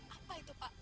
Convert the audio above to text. apa itu pak